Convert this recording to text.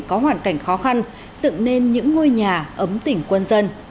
có hoàn cảnh khó khăn dựng nên những ngôi nhà ấm tỉnh quân dân